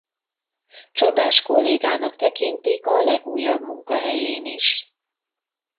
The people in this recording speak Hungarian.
Csodás kollégának tekintik a legújabb munkahelyén is.